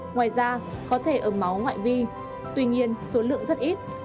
ngoài ra có thể ở máu ngoại vi tuy nhiên số lượng rất ít